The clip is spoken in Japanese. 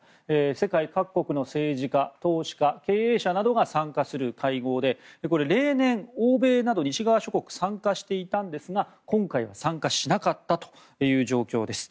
世界各国の政治家、投資家経営者らが参加する会合で例年、欧米など西側諸国参加していたんですが今回は参加しなかったという状況です。